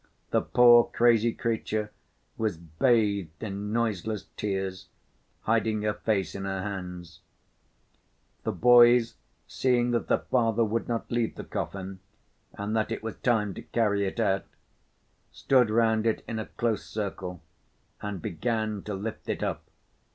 The poor, crazy creature was bathed in noiseless tears, hiding her face in her hands. The boys, seeing that the father would not leave the coffin and that it was time to carry it out, stood round it in a close circle and began to lift it up.